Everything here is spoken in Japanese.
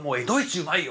うまいよ。